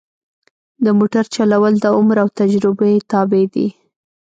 د موټر چلول د عمر او تجربه تابع دي.